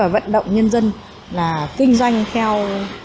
vận động nhân dân là kinh doanh theo